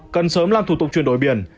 cần sớm làm thủ tục chuyển đổi biển